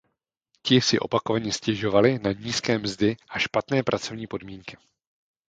Ti si opakovaně stěžovali na nízké mzdy a špatné pracovní podmínky.